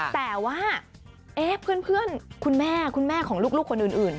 แต่ว่าเพื่อนคุณแม่คุณแม่ของลูกคนอื่น